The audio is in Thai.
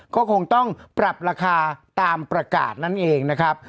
ก็คงต้องปรับราคาตามประกาศนั่นเองนะครับ